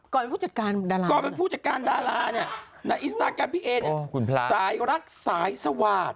ก่อนเป็นผู้จัดการดาราเนี่ยในอินสตาแกรมพี่เอเนี่ยสายรักสายสวาสตร์